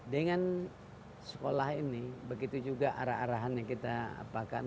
dengan sekolah ini begitu juga arahan arahannya kita apakan